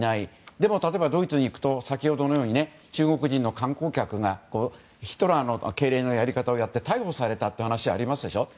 でも、例えばドイツに行くと先ほどのように中国人の観光客がヒトラーの敬礼のやり方をして逮捕されたという話がありますでしょ。